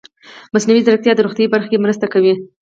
مصنوعي ځیرکتیا د روغتیا په برخه کې مرسته کوي.